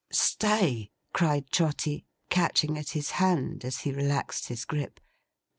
'Stay!' cried Trotty, catching at his hand, as he relaxed his grip.